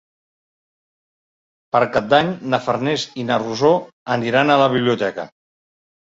Per Cap d'Any na Farners i na Rosó aniran a la biblioteca.